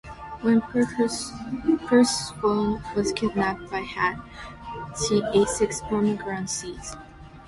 When Persephone was kidnapped by Hades, she ate six pomegranate seeds.